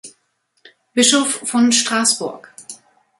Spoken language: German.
Bischof von Straßburg.